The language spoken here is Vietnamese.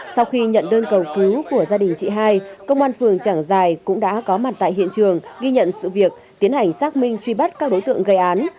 sau khi nhận đơn cầu cứu của gia đình chị hai công an phường trảng giải cũng đã có mặt tại hiện trường ghi nhận sự việc tiến hành xác minh truy bắt các đối tượng gây án